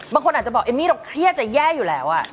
บางคนอาจจะบอกเอมมี่เราเครียดจะแย่อยู่แล้ว